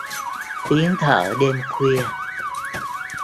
Tiếng thở đêm khuya